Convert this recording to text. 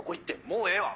もうええわ！